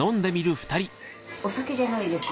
お酒じゃないですよ。